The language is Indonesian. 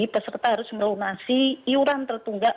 peserta harus melunasi iuran tertunggak